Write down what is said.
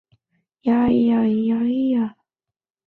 闭花木为大戟科闭花木属下的一个种。